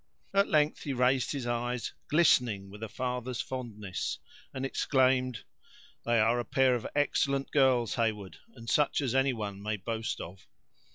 At length he raised his eyes, glistening with a father's fondness, and exclaimed: "They are a pair of excellent girls, Heyward, and such as any one may boast of."